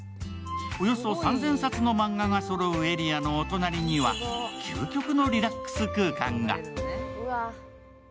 およそ３０００冊の漫画がそろうエリアのお隣には究極のリラックス空間が。